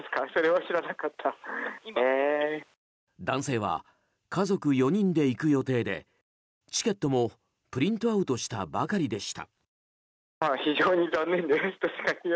男性は家族４人で行く予定でチケットもプリントアウトしたばかりでした。